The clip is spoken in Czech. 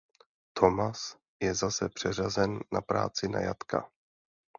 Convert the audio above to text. Thomas je zase přeřazen na práci na jatka.